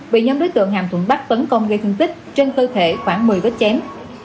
bị nhóm đối tượng hàm thuận bắc tấn công gây thương tích trên cơ thể khoảng một mươi vết chém